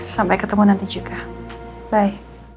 sampai ketemu nanti juga baik